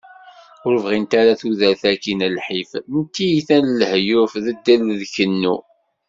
Ur bɣint ara tudert-aki n lḥif, n tyita, n lahyuf, n ddel d kennu.